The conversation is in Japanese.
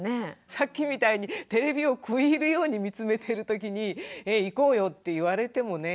さっきみたいにテレビを食い入るように見つめているときに「行こうよ」って言われてもね。